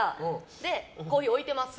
で、コーヒー置いてます。